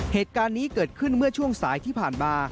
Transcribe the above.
เหตุการณ์นี้เกิดขึ้นเมื่อช่วงสายที่ผ่านมา